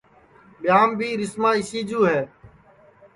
ٻیاں بھی رسما اِسی جو ہے